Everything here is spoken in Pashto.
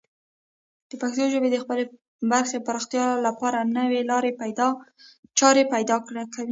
پښتو ژبه د خپلې برخې پراختیا لپاره نوې لارې چارې پیدا کوي.